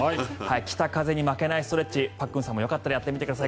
北風に負けないストレッチパックンさんもよかったらやってみてください。